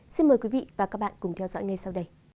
xin mời quý vị và các bạn cùng theo dõi ngay sau đây